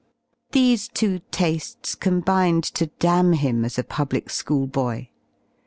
These two taSies combined to damn him as a public school boy.